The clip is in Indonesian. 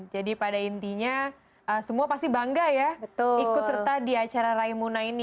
jadi pada intinya semua pasti bangga ya ikut serta di acara raimuna ini